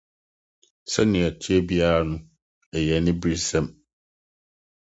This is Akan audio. Sɛnea ɛte biara no, ɛyɛ aniberesɛm.